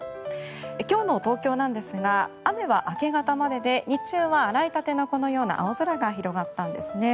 今日の東京なんですが雨は明け方までで日中は洗いたての、このような青空が広がったんですね。